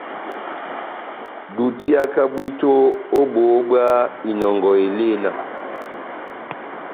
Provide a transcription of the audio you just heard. Dutiaka bwito ó boho bwa inɔngɔ elena.